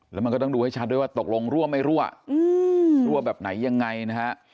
แล้วมันก็ต้องดูให้ชัดด้วยว่าตกลงรั่วไม่รั่วแบบไหนยังไงนะฮะ